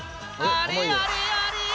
あれあれあれ？